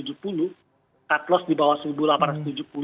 cut loss di bawah rp satu delapan ratus tujuh puluh